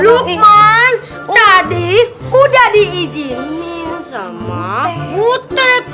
lukman tadi udah diizinin sama putet